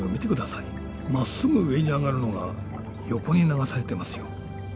まっすぐ上に上がるのが横に流されてますよ。